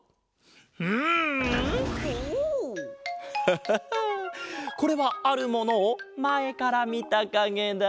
ハハハこれはあるものをまえからみたかげだ。